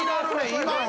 今の。